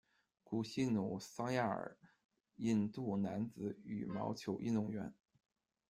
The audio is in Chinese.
吉希奴·桑亚尔，印度男子羽毛球运动员。